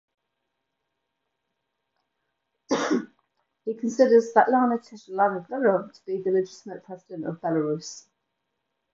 He considers Sviatlana Tsikhanouskaya to be the legitimate president of Belarus.